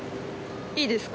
いいですか？